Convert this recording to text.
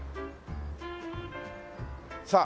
さあ